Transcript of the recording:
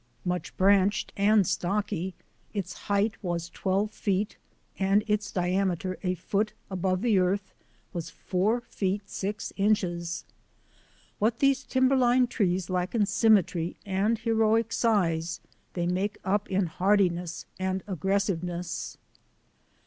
Much branched and stocky, its height was twelve feet, and its diameter a foot above the earth was four feet six inches. What these tim berline trees lack in symmetry and heroic size they make up in hardiness and aggressiveness.